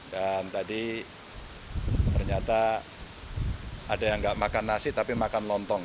dan tadi ternyata ada yang gak makan nasi tapi makan lontong